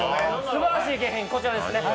すばらしい景品こちらですね。